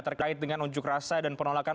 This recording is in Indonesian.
terkait dengan unjuk rasa dan penolakan